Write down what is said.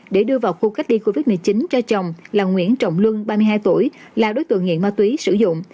để đưa vào khu cách ly covid một mươi chín cho chồng là nguyễn trọng luân ba mươi hai tuổi là đối tượng nghiện ma túy sử dụng